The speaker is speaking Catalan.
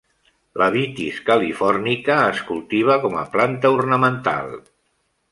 La "Vitis californica" es cultiva com a planta ornamental.